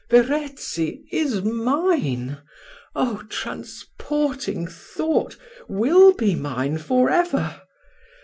Verezzi is mine oh! transporting thought! will be mine for ever.